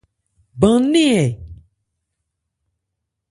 Bán-nɛ́n ɛ ?